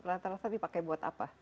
antara tadi pakai buat apa